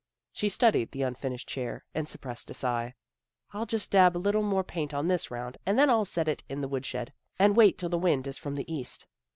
She studied the unfinished chair, and suppressed a sigh. " I'll just dab a little more paint on this round, and then I'll set it in the woodshed and wait till the wind is from the east."